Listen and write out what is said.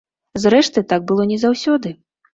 Зрэшты, так было не заўсёды.